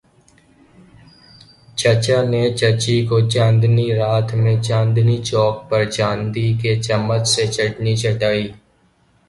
چچا نے چچی کو چاندنی رات میں چاندنی چوک پر چاندی کے چمچ سے چٹنی چٹائ۔